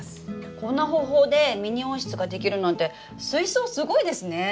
こんな方法でミニ温室ができるなんて水槽すごいですね！ね！